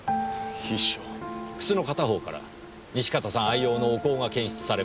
靴の片方から西片さん愛用のお香が検出されました。